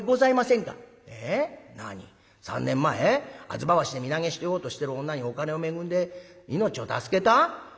吾妻橋で身投げしようとしてる女にお金を恵んで命を助けた？